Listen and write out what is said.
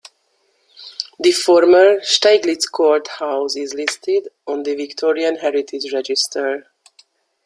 The former Steiglitz Court House is listed on the Victorian Heritage Register.